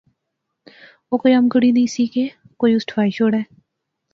او کوئی ام کڑی نہسی کہ کوئی اس ٹھوائی شوڑے